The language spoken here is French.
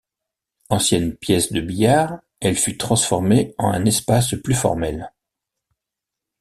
Ancienne pièce de billard, elle fut transformée en un espace plus formel.